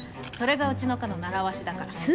それがうちの課のならわしだから。